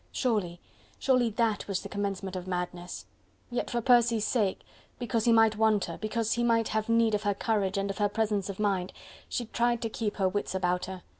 Surely, surely, that was the commencement of madness! Yet for Percy's sake, because he might want her, because he might have need of her courage and of her presence of mind, she tried to keep her wits about her.